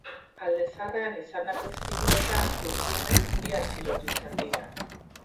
Alde zaharrean izandako istiluetan gutxienez bi atxilotu izan dira.